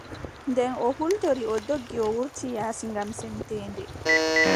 Nden o hultori o doggi o wurti yaasi ngam semteende.